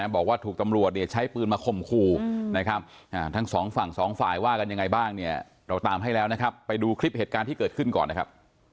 บอกว่าถูกตำรวจใช้ปืนมาข่มขู่นะครับทั้งสองฝั่งสองฝ่ายว่ากันยังไงบ้างเนี่ยเราตามให้แล้วนะครับไปดูคลิปเหตุการณ์ที่เกิดขึ้นก่อนนะครับ